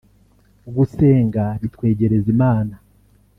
Gusenga bitwegereza Imana